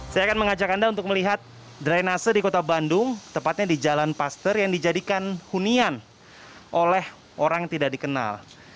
saya akan mengajak anda untuk melihat drainase di kota bandung tepatnya di jalan paster yang dijadikan hunian oleh orang tidak dikenal